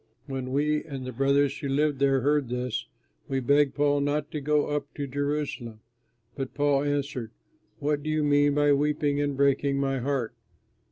'" When we and the brothers who lived there heard this, we begged Paul not to go up to Jerusalem, but Paul answered, "What do you mean by weeping and breaking my heart?